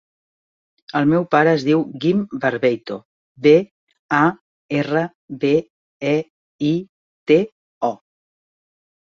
El meu pare es diu Guim Barbeito: be, a, erra, be, e, i, te, o.